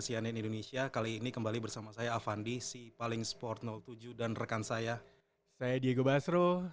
cnn indonesia kali ini kembali bersama saya avandi si paling sport tujuh dan rekan saya saya diego basro